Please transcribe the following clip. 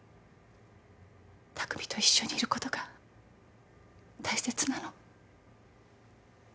拓海と一緒にいることが大切なの。